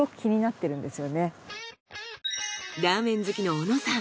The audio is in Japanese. ラーメン好きの小野さん。